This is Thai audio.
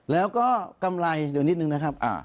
แล้วก็กำไรเดี๋ยวนิดนึงนะครับ